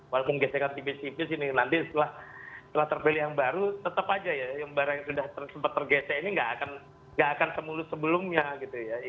walaupun gesekan tipis tipis ini nanti setelah terpilih yang baru tetap aja ya yang barang yang sudah sempat tergesek ini nggak akan semulus sebelumnya gitu ya